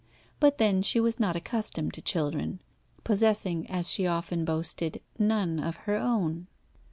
But then she was not accustomed to children, possessing, as she often boasted, none of her own.